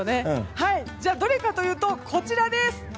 じゃあ、どれかというとこちらです。